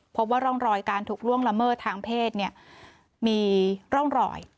พบว่าร่องรอยการถูกล่วงละเมิดทางเพศมีร่องรอย